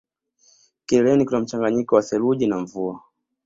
Kileleni kuna mchanganyiko wa theluji na mvua